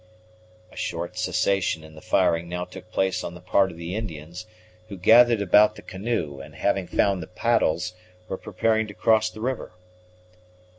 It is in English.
A short cessation in the firing now took place on the part of the Indians, who gathered about the canoe, and, having found the paddles, were preparing to cross the river.